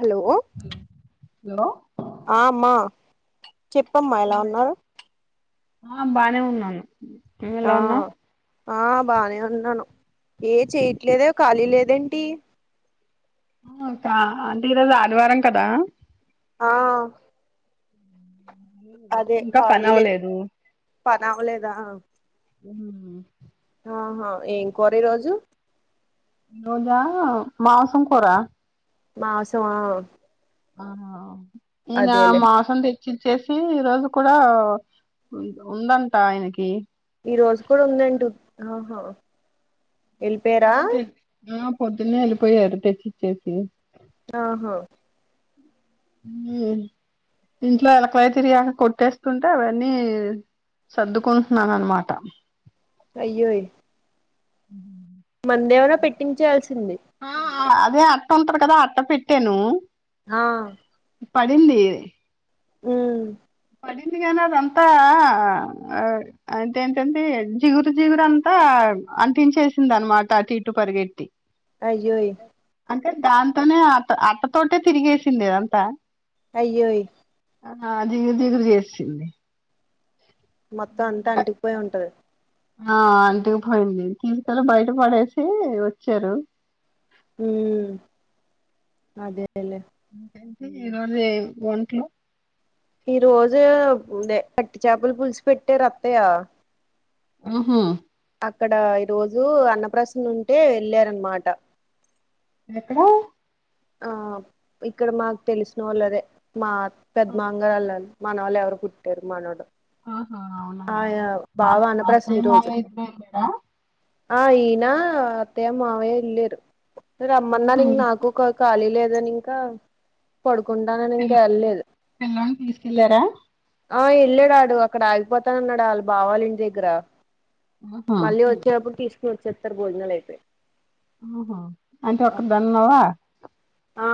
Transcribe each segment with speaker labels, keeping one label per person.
Speaker 1: Hello
Speaker 2: hello hello
Speaker 1: ఆ అమ్మ చెప్పమ్మా ఎలా
Speaker 2: హలో
Speaker 1: ఉన్నావ్
Speaker 2: ఆ బానే ఉన్నాను నువ్వు
Speaker 1: ఆ
Speaker 2: ఎలా ఉన్నావు
Speaker 1: ఆ బానే ఉన్నాను ఏ చెయట్లేదే ఖాళీ లేదేంటి
Speaker 2: ఇంక అంటే ఈరోజు ఆదివారం కదా
Speaker 1: ఆ అదే
Speaker 2: ఇంకా పని
Speaker 1: ఖాళీలే
Speaker 2: అవ్వలేదు
Speaker 1: పని అవ్వలేదా ఆహా ఏం కూర ఈ రోజు
Speaker 2: ఈరోజా మాంసం కూర
Speaker 1: మాసంమా
Speaker 2: ఆ ఇనా
Speaker 1: అదేలే
Speaker 2: మాసం తె చ్చి ఇచ్చేసి ఈ రోజు కూడా ఉందంట ఆయనకి
Speaker 1: ఈ రోజు కూడా ఉందేంటి ఆహా ఎళ్ళిపోయారా
Speaker 2: ఆ పొద్దున్న ఎళ్ళిపోయారు తెచ్చి ఇచ్చేసి
Speaker 1: ఆహా
Speaker 2: ఇంట్లో ఎలకలయి తిరిగాయ్ కొట్టేస్తుంటే అవన్నీ సర్దుకుంటున్నానమాట
Speaker 1: అయ్యోయ్ మందేమైనా పెట్టించేయాల్సింది
Speaker 2: అదే అట్ట ఉంటది కదా అట్ట పెట్టాను
Speaker 1: ఆ
Speaker 2: పడింది
Speaker 1: ఉమ్
Speaker 2: పడింది కానీ అదంతా అంటే ఎంటంటే జిగురు జిగురంతా అంటించేసింది అనమాట అటు ఇటు పరిగెట్టి
Speaker 1: అయ్యోయ్
Speaker 2: అంటే దాంతోనే అ అట్టతోటే తిరిగేసింది ఇదంతా
Speaker 1: అయ్యోయ్
Speaker 2: ఆ అది జిగురు చేసింది
Speaker 1: మొత్తం అంతా అంటికిపోయి ఉంటది
Speaker 2: ఆ అంటుకుపోయింది ఇంతలో బయట పడేసి వచ్చారు
Speaker 1: హ్మ్ అదేలే
Speaker 2: ఈ రోజు ఏ వంటలు
Speaker 1: ఈ రోజు కట్టి చేపల పులుసు పెట్టేరత్తయా
Speaker 2: మ్ హు
Speaker 1: అక్కడ ఈ రోజు అన్నప్రసన్న ఉంటే వెళ్ళారనమాట
Speaker 2: ఎక్కడ
Speaker 1: ఆ ఇక్కడ మాకు తెలిసిన వాళ్ళు అదే మా అత్త పెద్మాంగారాల్లల్ మనవళ్ళు ఎవరో పుట్టారు మనవడు
Speaker 2: ఆహా అవునా
Speaker 1: అన్నప్రాసన
Speaker 2: అత్తయ
Speaker 1: ఈ రోజు
Speaker 2: మావయ్య ఇద్దరు ఎళ్ళర
Speaker 1: ఆ ఈయన అత్తయ్య మావయ్య వెళ్లిరు
Speaker 2: ఊహు
Speaker 1: రమ్మన్నరు ఇంగ్ నాకు కొ ఖాళీ లేదని ఇంకా పడుకుంటానని
Speaker 2: పిల్ల
Speaker 1: ఇంకా వెళ్లేదు
Speaker 2: పిల్లోని తీసుకెళ్ళారా
Speaker 1: ఆ వెళ్ళాడాడు అక్కడ ఆగిపోతానన్నాడు వాళ్ళ బావా ల్ల ఇంటి దగ్గర
Speaker 2: ఆహా
Speaker 1: మళ్ళీ వచ్చేటప్పుడు తీసుకుని వచ్చేస్తారు భోజనాలు అయితే
Speaker 2: ఆహా అంటే ఒక్క దాన్నున్నావా
Speaker 1: ఆ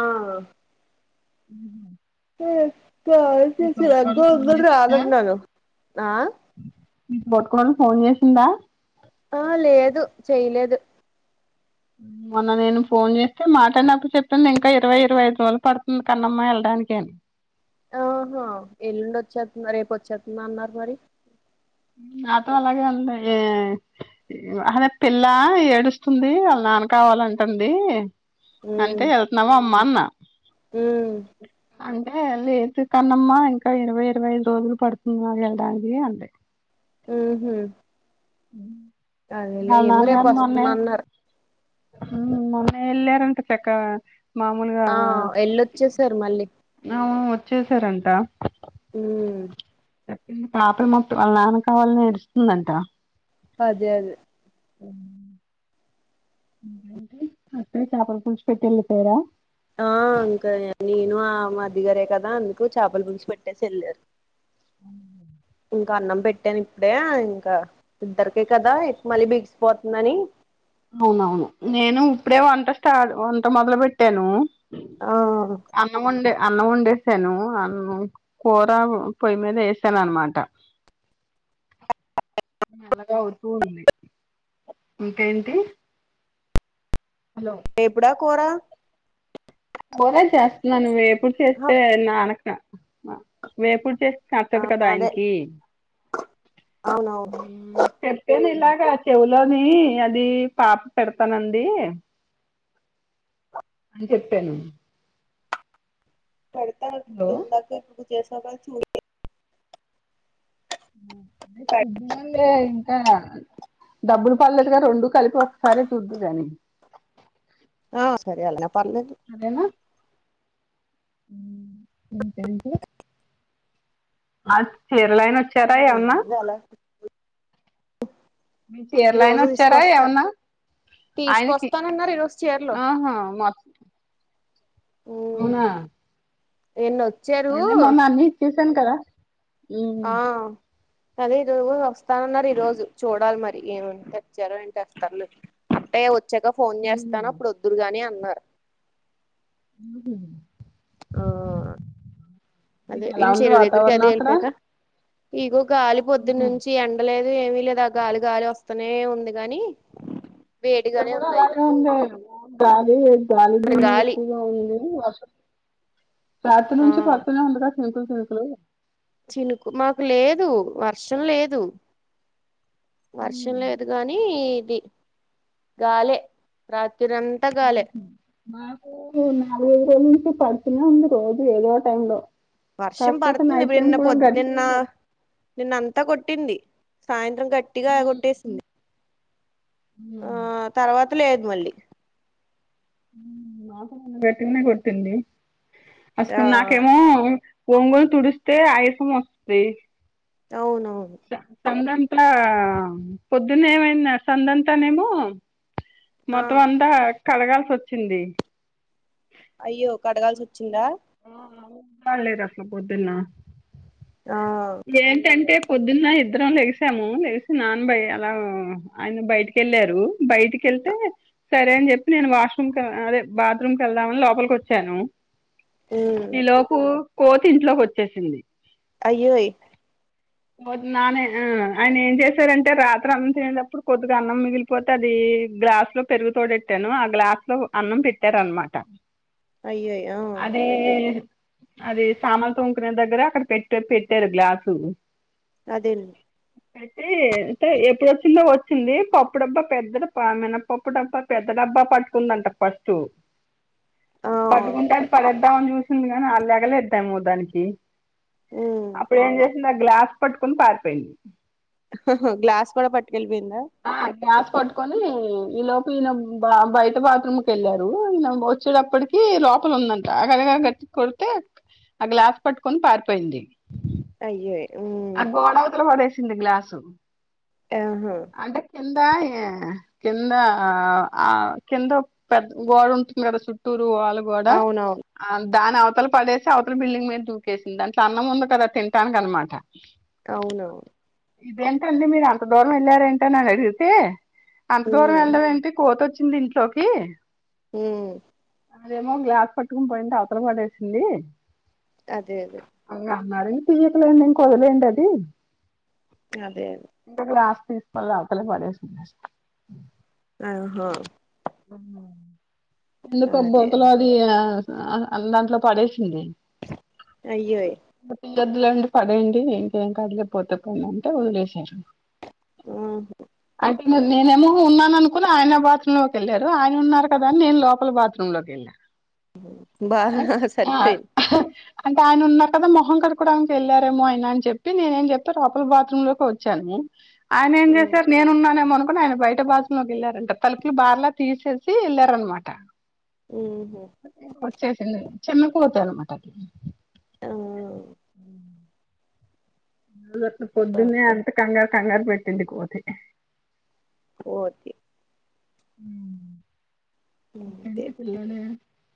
Speaker 2: మ్ హ్ తోటి కోడలు ఫోన్
Speaker 1: [unintelligible] నాను ఆ
Speaker 2: నీకు బట్టుకోని ఫోన్ చేసిందా
Speaker 1: ఆ లేదు చేయలేదు
Speaker 2: మొన్న నేను ఫోన్ చేస్తే మాటాడినప్పుడు చెప్పింది, ఇంకా ఇరవై ఇరవై ఐదు రోజులు పడుతుంది కన్నమ్మా వెళ్డానికి అని
Speaker 1: ఓహోఎల్లుండి వచ్చేత్తన్నా రేపు వచ్చేత్తున్నా అన్నారు మరి
Speaker 2: నాతో అలాగే అంది ఆహా పిల్ల ఏడుస్తుంది వాళ్ళ నాన్న కావాలంటుంది అంటే
Speaker 1: ఉమ్
Speaker 2: వెళ్తున్నాము అమ్మా అన్న
Speaker 1: ఉమ్
Speaker 2: అంటే లేదు కన్నమ్మా ఇంకా ఇరవై ఇరవై ఐదు రోజులు పడుతుంది వెళ్ళడానికి అంది
Speaker 1: మ్మ్ హు ఏమో రేపు
Speaker 2: వెళ్లానుగాని మొన్నే
Speaker 1: వస్తున్నా అన్నారు
Speaker 2: ఉమ్ మొన్నే వెళ్ళారంట చెక మామూలుగా
Speaker 1: ఆ
Speaker 2: చ్చి
Speaker 1: ఎళ్ళొచ్చేసారు మళ్ళీ
Speaker 2: అవ్ వచ్చేసారంట
Speaker 1: మ్మ్
Speaker 2: చెప్పింది పాపలు మాత్రం వాళ్ళ నాన్న కావాలని ఏడుస్తుంది అంట
Speaker 1: అదే అదే
Speaker 2: ఆ ఇంకేంటి అత్తయ్య చేపల పుల్చు పెట్టి వెళ్ళిపోయార
Speaker 1: ఆ ఇంకా నేను ఆ మరిదిగారే కదా అందుకు చేపలు పుల్చు పెట్టేసి వెళ్ళారు
Speaker 2: మ్మ్
Speaker 1: ఇంకా అన్నం పెట్టాను ఇప్పుడే ఇంకా ఇద్దరికే కదా మళ్ళీ బిగిసి పోతుందని
Speaker 2: అవును అవును నేను ఇప్పుడే వంట స్టాట్ వంట మొదలు పెట్టాను
Speaker 1: ఆ
Speaker 2: అ అన్నం వండే అన్నం వండేసాను అన్నం కూర పొయ్యి మీద వేసాను అన్నమాట మెల్లగా అవుతూ ఉంది ఇంకేంటి హలో
Speaker 1: వేపుడా కూరా
Speaker 2: మునగాకు చేస్తున్నాను వేపుడు చేస్తే నానక న వేపుడు చేస్ నచ్చదు కదా
Speaker 1: అదే
Speaker 2: ఆయనకి
Speaker 1: అవునవును
Speaker 2: చెప్పేను ఇలాగా చెవులోని అది పాప పెడతానంది అని చెప్పాను
Speaker 1: పెడతా ఇందాకే నువ్వు చేసాక చూ
Speaker 2: అ [unintelligible]
Speaker 1: పెడ్
Speaker 2: ఇప్పుడు ఏంలే ఇంకా డబ్బులు పల్లేదుగా రెండు కలిపి ఒకసారే చూద్దు గాని
Speaker 1: ఆ సరే ఎలైనా పర్లేదు
Speaker 2: సరేనా ఉమ్ ఇంకేంటి ఆ చీరల ఆయెన వచ్చాడా ఏమన్నా
Speaker 1: రాలే ఈ
Speaker 2: చీరలాయన
Speaker 1: రోజు
Speaker 2: వచ్చారా
Speaker 1: తీసుకొస్తా
Speaker 2: ఏమన్నా? ఆయినకి
Speaker 1: తీసుకొస్తానన్నారు ఈరోజు చీరలు
Speaker 2: ఆహా మ మవునా
Speaker 1: వినోద్
Speaker 2: అంటే మొన్న అన్నీ ఇచ్చేసాను కదా
Speaker 1: ఆ అదే ఈరోజు వస్తానున్నారు ఈ రోజు చూడాలి మరి ఏమ వచ్చారో ఏంటి వస్తారులు అంటే వచ్చాక ఫోన్ చేస్తాను అప్పుడు వద్దురు గాని అన్నారు.
Speaker 2: ఉ
Speaker 1: ఆ అదే
Speaker 2: మీకు ఎలా
Speaker 1: వీళ
Speaker 2: ఉంది
Speaker 1: చేరు దగ్గరికి
Speaker 2: వాతావరణం
Speaker 1: అదే
Speaker 2: అక్కడ
Speaker 1: వెళ్లిపాక ఇగో గాలి పొద్దు నుంచి యన్ పడలేదు ఏమీ లేదు గాలి గాలి వస్తనే ఉంది గాని
Speaker 2: ఇక్కడ
Speaker 1: వేడిగానే
Speaker 2: కూడా
Speaker 1: ఉంది అయినా
Speaker 2: అలాగే ఉందమొ ఊ గాలి గాలిదుమ్ము
Speaker 1: గాలి
Speaker 2: ఎక్కువగా ఉంది వర్షం రాత్రి
Speaker 1: ఆ
Speaker 2: నుంచి పడుతూనే ఉంది కదా అంకుల్ పెల్కుల్
Speaker 1: చినుకు మాకు లేదు వర్షం లేదు. వర్షం లేదు గానీ ఇది గాలె రాత్రింత
Speaker 2: మాకు నాలుగైదు రోజుల నుంచి పడుతూనే ఉంది రోజు ఏదో టైమ్ లో
Speaker 1: వర్షం పడుతుంది విన్న పొద్దు నిన్న నిన్న అంతా కొట్టింది సాయంత్రం గట్టిగా కొట్టేసింది. ఆ
Speaker 2: ఉ
Speaker 1: తర్వాత లేదు మళ్ళీ
Speaker 2: మాతో నన్న పెట్టినే కొట్టింది
Speaker 1: ఆ
Speaker 2: అస్సలు నాకేమో వంగుని తుడుస్తే ఆయషం వత్తది.
Speaker 1: అవునవును
Speaker 2: సందంతా పొద్దున్న ఏమైంది సందంతానేమో
Speaker 1: ఆ
Speaker 2: మొత్తం అంతా కడగాల్సి వచ్చింది.
Speaker 1: అయ్యో కడగాల్సి వచ్చిందా?
Speaker 2: పర్లేదు అక్క బొద్దున్నా
Speaker 1: ఆ
Speaker 2: ఏంటంటే పొద్దున్న ఇద్దరం లేసాము లేసి నానబై అలాగ ఆయన బయటికెళ్ళారు బయటికిళ్తే సరే అని చెప్పి నేను వాష్రూమ్ క అదే బాత్రూమ్కి వెళ్దామని లోపలికి వచ్చాను.
Speaker 1: ఉమ్
Speaker 2: ఈ లోపు కోతి ఇంట్లోకి వచ్చేసింది.
Speaker 1: అయ్యో
Speaker 2: ఇంకోటి నానే ఆ ఆయన ఏం చేశారంటే రాత్రి అన్నం తినేటప్పుడు కొద్దిగా అన్నం మిగిలి పోతే అది గ్లాస్ లో పెరుగు తోడుఏట్టాను ఆ గ్లాస్ లో అన్నం పెట్టారు అనమాట
Speaker 1: అయ్యయి ఆ
Speaker 2: అదే అదే సామాన్ తొముకునే దగ్గర అక్కడ పెట్ట పెట్టారు గ్లాసు
Speaker 1: అదేం
Speaker 2: అయితే అంటే ఎప్పుడుచ్చిందో వచ్చింది పప్పుడబ్బా పెద్దది మన పప్పు డబ్బా పెద్ద డబ్బా పట్టుకుందంట ఫస్ట్
Speaker 1: ఆ
Speaker 2: పట్టుకుంటారు పడేద్దామ అని చూసింది గానీ అళ్ లేగలేద్దాం మో దానికి
Speaker 1: ఉమ్
Speaker 2: అప్పుడు ఏం చేసింది ఆ గ్లాస్ పట్టుకుని పారిపోయింది.
Speaker 1: హ్హ్ గ్లాస్ కూడా పట్టుకెళ్ళిపోయిందా?
Speaker 2: ఆ గ్యాస్ పట్టుకొని ఈ లోప్ ఈయన బ బయట బాత్రూమ్ కెళ్లారు ఈయన ఒచ్చేటప్పటికి ఈ లోపల ఉందంట అగద గ గట్తి కొడితే ఆ గ్లాస్ పట్టుకొని పారిపోయింది
Speaker 1: అయ్యే ఊ
Speaker 2: ఆ గోడవతల వడేసింది గ్లాసు
Speaker 1: ఏ హా
Speaker 2: అంటె కిందా ఏ కింద ఆ ఆ కిందో పెద్ద గోడ ఉంటుంది కదా సుట్టూరు వాళు గోడా
Speaker 1: అవునవును
Speaker 2: ఆ దానవతల పడేసి అవతల బిల్డింగ్ మీద్ దూకేసింది దాంట్ అన్నం ఉంది కదా తింటానిక్ అనమా ట
Speaker 1: టవునొ
Speaker 2: ఇదేంటండి మీర్ అంత దూరం ఎళ్ళారేంటన్ అన్ అడిగితే అంత దూరం
Speaker 1: ఉమ్
Speaker 2: వెళ్ళడం ఏంటి కోతోచ్చిందింట్లోకి
Speaker 1: ఊ
Speaker 2: అదేమో గ్లాస్ పట్టుకున్ పోయింటె అవతల పడేసింది
Speaker 1: అదే అదే
Speaker 2: అన్ అన్నారు ఇన్ తీయాకులెండి ఇంక్ వొదిలేయండది
Speaker 1: అదే అద్
Speaker 2: ఇంక గ్లాస్ తీస్కోల్ అవతలి పడేస్న
Speaker 1: అది హో
Speaker 2: ఎందుకో
Speaker 1: అదే
Speaker 2: బొంతలోది ఆ అన్ దాంట్లో పడేసింది
Speaker 1: అయ్యోయ్
Speaker 2: ఇంగ్ ఒద్దలండి పడేండి ఇంకేం కాదులే పోతే పోనీ అంటే ఒదిలేశారు
Speaker 1: ఆ
Speaker 2: దిను నేనేమో ఉన్నాననుకొన్ ఆయన బాత్రూమ్ లోకేళ్ళారు ఆయన్ ఉన్నారు కదా నేన్ లోప్ పొల్ బాత్రూం లో కెల్లా
Speaker 1: హు బాహ్ హ్ సరిపోయి
Speaker 2: అహ్హ్హ అంటే ఆయనున్నా కదా మొహం కడోక్కడానికేళ్లారేమో ఆయన అని చెప్పి నేనేం చెప్ప రోపల బాత్రూమ్ లోకోచ్చాను ఆయనేం
Speaker 1: ఉమ్
Speaker 2: చేశార్ నేనున్నానేమోన్ ప్పున్ ఆయన బయట బాత్రూం లోకేళ్ళారంట తలుపులు బార్లా తీసేసి ఎళ్ళారనమాట
Speaker 1: ఊ హొ
Speaker 2: ఒచ్చేసింది చిన్న కోతన్నమాట
Speaker 1: అవ్వ్వ్
Speaker 2: ఊ గట్ల పొద్దున్నే అంత కంగార్ కంగార్ పెట్టింది కోతి
Speaker 1: పోతి
Speaker 2: ఊమ్ ఇ చంటి పిల్లోడే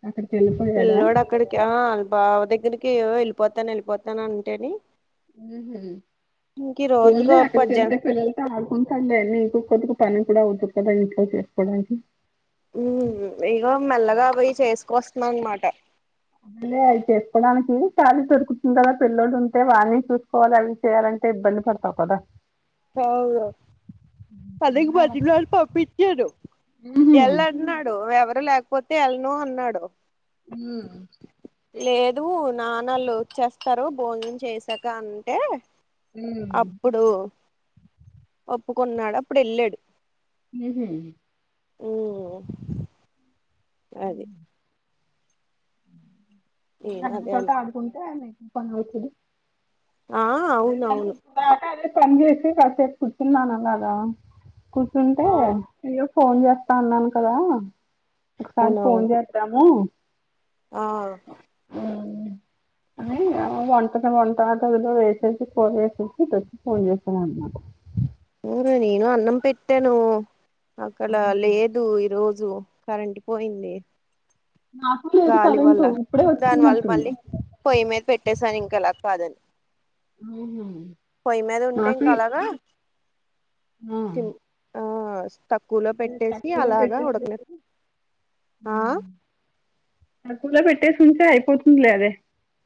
Speaker 2: అక్కడికెళ్ళిప
Speaker 1: పిల్లోడక్కడికి ఆ అల్ బావ దగ్గరికి ఓ ఎళ్ళిపోతాన్ యెళ్ళిపోతాన్ అంటేని
Speaker 2: ఊ హు
Speaker 1: ఇంక ఈ రోజుగా
Speaker 2: పోన్లే అక్కడ్
Speaker 1: పద్యం
Speaker 2: కెళ్తే పిల్లల్ టాడుకుంటల్లే నీకు కొద్దిగ పని కూడా వుదు కదా ఇంట్లో చేసుకోవడానికి
Speaker 1: ఊహ్మ్ ఇగో మెల్లగా పోయి చేసుకొస్తున్నన్ మాట
Speaker 2: అల్లే అవి చెస్కోడానికి ఖాలీ దొరుకుతున్ కదా పిల్లోడుంటే వాని చూసుకోవాలవి చేయాలంటే ఇబ్బంది పడతావు కదా
Speaker 1: హవ్వు పది క్ బతిమ్ లాడి పంప్పించాను ఎళ్ళన్ట్న్నాడు ఎవరు లేక్ పోతే ఎల్నో హాన్నాడు
Speaker 2: ఈ
Speaker 1: లేదు నానాళ్ళు లేట్ చేస్తారు భోజనం చేసాక అంటే అప్పుడు ఒప్పుకున్నాడు అప్పుడు వెళ్లేది
Speaker 2: మ్ హా
Speaker 1: మ్ హా మ్ నేను అదే
Speaker 2: స్ట
Speaker 1: అను
Speaker 2: అడగుంటు మూక [unintelligible] వేసేది
Speaker 1: ఆ అవునవును
Speaker 2: పని చేసి కాపేపు కుర్చున్నానులాగా కూర్చుంటే
Speaker 1: ఆ
Speaker 2: ఇగ ఫోన్ చేస్తా అన్నాను కదా ఒకసారి ఫోన్
Speaker 1: అవునవును
Speaker 2: చేస్త తము
Speaker 1: ఆ
Speaker 2: మ్ అనీ వంట దా వంట [unintelligible] ఫస్ట్ ఫోర్ ఇయర్స్ నుంచి థర్టీ ఫైవ్ ఇయర్స్ అన మాట
Speaker 1: వేరే ఏదో అన్నం పెట్టాను అక్కడ లేదు ఈ రోజు కరెంట్ పోయిందే
Speaker 2: నాకు లేదు
Speaker 1: గాలి వల్ల
Speaker 2: కరెంటు ఇప్పుడే
Speaker 1: దానివల్ల
Speaker 2: వచ్చినట్టుంది
Speaker 1: మళ్ళీ పొయ్యి మీద పెట్టేసాను ఇంక అలా కాదని పొయ్యి మీద ఉంటే
Speaker 2: నాకు
Speaker 1: ఇంకా అలాగా తిమ్ ఆ తక్కువలో పెట్టేసి అలాగా ఉడకనే ఆ
Speaker 2: అక్కులో పెట్టేసి ఉంటే అయిపోతుందిలే అదే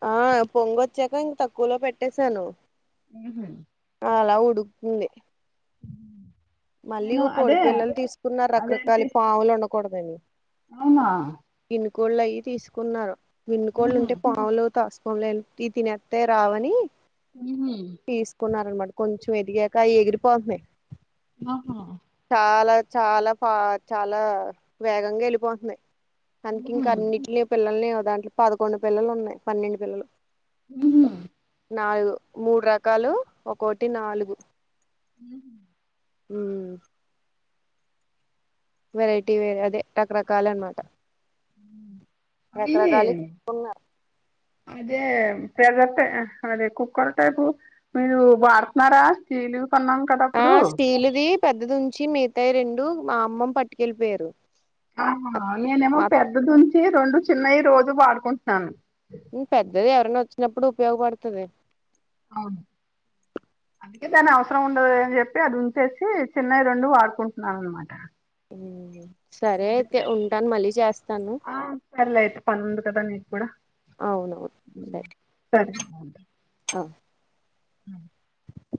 Speaker 1: ఆ పొంగొచ్చాక ఇంక తక్కువలో పెట్టేశాను
Speaker 2: ఉహు
Speaker 1: ఆలా ఉడుకుతుంది మళ్ళీ
Speaker 2: నేను
Speaker 1: కోడి
Speaker 2: అదే
Speaker 1: పిల్లలు తీసుకున్నారు రకరకాల
Speaker 2: అదేంటి
Speaker 1: పావుల నీ కోడదది
Speaker 2: అవునా
Speaker 1: గిన్న కోళ్ళు అయి తీసుకున్నారు గిన్ను కోళ్ళుంటే పాములు తాస్ ఈ తినెత్తతే రావని
Speaker 2: ఉహు
Speaker 1: తీసుకున్నారనామాట కొంచెం ఎదిగాక ఎగిరిపోతున్నాయి
Speaker 2: ఆహా
Speaker 1: చాలా చాలా పా చాలా వేగంగా ఎళ్ళిపోతుంది కనుకి ఇంక అన్నింటిని పిల్లలని దాంట్లో పదకొండు పిల్లలు ఉన్నాయి పన్నెండు పిల్లలు
Speaker 2: మ్
Speaker 1: నాలుగు మూడు రకాలు ఒక్కోటి నాలుగు
Speaker 2: మ్ హా
Speaker 1: మ్ వెరైటీ వేరే అదే రకరకాల అన్నమాట
Speaker 2: అవి
Speaker 1: కొన్నారు
Speaker 2: అదే ప్యాజట అదే కుక్కర్ టైపు మీరు వాడుతున్నారా కీలు కన్నాం కదా
Speaker 1: అ
Speaker 2: అప్పుడు
Speaker 1: స్టీలుది పెద్దదుంచి మిగతాయి రెండు మా అమ్మమ్ పట్టుకెళ్ళిపోయేరు
Speaker 2: ఆహా నేనేమో పెద్దదుంచి రెండు చిన్నవి రోజు వాడుకుంటున్నాను
Speaker 1: పెద్దది ఎవరైన ఓచ్చినప్పుడు ఉపయోగపడుతది
Speaker 2: అవును అందుకే దాని అవసరం ఉండదు. అని చెప్పి అది ఉంచేసి చిన్నవి రెండు వాడుకుంటున్నాను అనమాట
Speaker 1: సరే అయితే ఉంటాను మళ్ళీ చేస్తాను
Speaker 2: సరలే అయితే పని ఉంది కదా నీకు కూడా
Speaker 1: అవునవును సరే
Speaker 2: సరే
Speaker 1: అ
Speaker 2: సరే